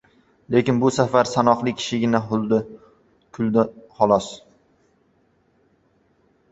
Lekin bu safar sanoqli kishigina kuldi, xolos.